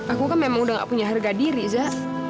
aku kan memang udah nggak punya harga diri za